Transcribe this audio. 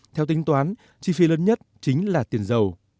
theo tính toán chi phí lớn nhất chính là tiền dầu